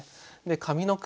上の句